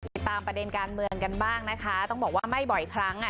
ติดตามประเด็นการเมืองกันบ้างนะคะต้องบอกว่าไม่บ่อยครั้งอ่ะ